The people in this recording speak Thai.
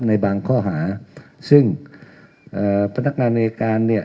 ในบางข้อหาซึ่งเอ่อพนักงานในการเนี่ย